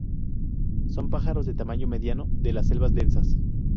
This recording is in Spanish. Son pájaros de tamaño mediano de las selvas densas.